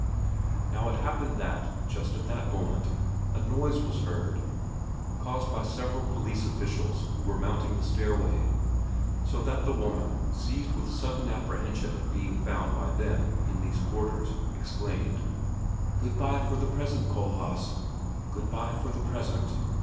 Now it happened that, just at that moment, a noise was heard, caused by several police officials who were mounting the stairway, so that the woman, seized with sudden apprehension at being found by them in these quarters, exclaimed, "Good by for the present, Kohlhaas, good by for the present.